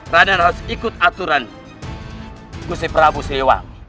raden harus ikut aturan gusih prabu seewang